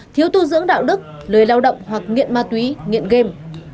thiếu tu dưỡng đạo đức lời lao động hoặc nghiện ma tuyển